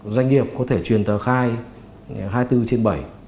doanh nghiệp có thể truyền tờ khai hai mươi bốn trên bảy